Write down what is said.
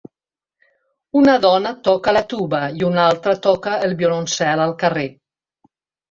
Una dona toca la tuba i una altra toca el violoncel al carrer.